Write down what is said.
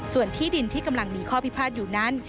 ส่วนที่ดินที่กำลังมีข้อพิพาทอยู่นั้น